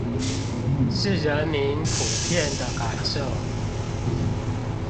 是人民普遍的感受